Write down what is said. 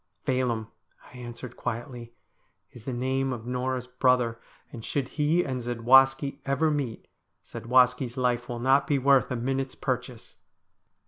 ' Phelim,' I answered quietly, ' is the name of Norah's brother, and should he and Zadwaski ever meet, Zadwaski's life will not be worth a minute's purchase.'